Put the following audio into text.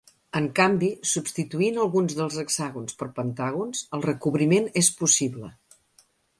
En canvi, substituint alguns dels hexàgons per pentàgons el recobriment és possible.